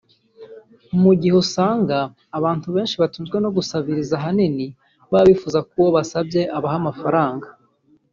Mu gihe usanga abantu benshi batunzwe no gusabiriza ahanini baba bifuza ko uwo basabye abaha amafaranga